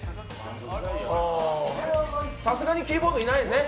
さすがにキーボードはいないよね？